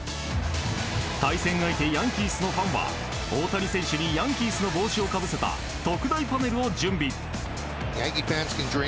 対戦相手ヤンキースのファンは大谷選手にヤンキースの帽子をかぶせた特大パネルを準備。